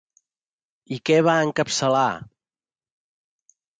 I què va encapçalar?